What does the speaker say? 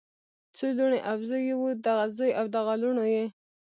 څو لوڼې او زوي یې وو دغه زوي او دغه لوڼو یی